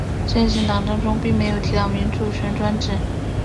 现行党章中并没有提到民主集权制。